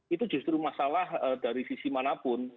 itu justru masalah dari sisi manapun